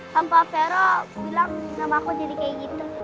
tanpa vero bilang nama aku jadi kayak gitu